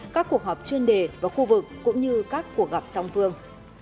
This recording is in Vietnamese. các cuộc họp chuyên đề và khu vực cũng như các cuộc gặp song phương